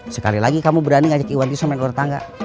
sekali lagi kamu berani ngajak iwan itu main orang tangga